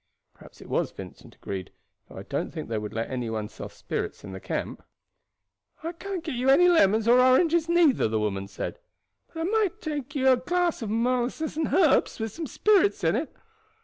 "Perhaps it was," Vincent agreed; "though I don't think they would let any one sell spirits in the camp." "I can't get you any lemons or oranges neither," the woman said; "but I might make you a drink out of molasses and herbs, with some spirits in it.